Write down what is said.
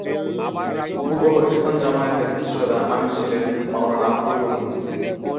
পূর্ব পাকিস্তান জামায়াতের প্রতিষ্ঠাতা আমির ছিলেন মাওলানা আব্দুর রহিম।